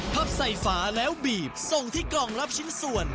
พับใส่ฝาแล้วบีบส่งที่กล่องรับชิ้นส่วน